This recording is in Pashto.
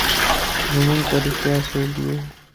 نو موږ په رښتیا څوک یو؟